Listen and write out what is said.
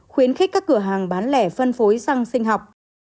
khuyến khích các cửa hàng bán lẻ phân phối xăng sinh học